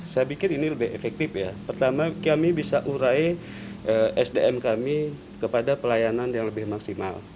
saya pikir ini lebih efektif ya pertama kami bisa urai sdm kami kepada pelayanan yang lebih maksimal